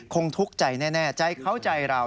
คงทุกข์ใจแน่แน่เจ้าเข้าใจเรา